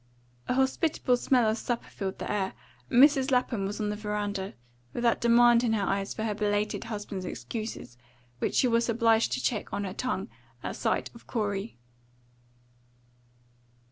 A hospitable smell of supper filled the air, and Mrs. Lapham was on the veranda, with that demand in her eyes for her belated husband's excuses, which she was obliged to check on her tongue at sight of Corey.